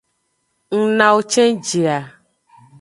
Ng nawo cenji a.